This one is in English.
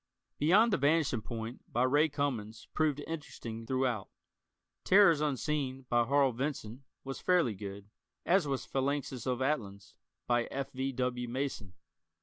"Beyond the Vanishing Point," by Ray Cummings, proved interesting through out. "Terrors Unseen," by Harl Vincent, was fairly good, as was "Phalanxes of Atlans," by F. V. W. Mason.